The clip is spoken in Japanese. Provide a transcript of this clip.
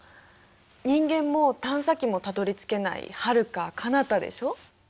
人間も探査機もたどりつけないはるかかなたでしょう？